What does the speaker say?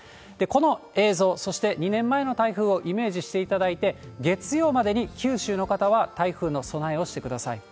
この映像、そして２年前の台風をイメージしていただいて、月曜までに九州の方は台風の備えをしてください。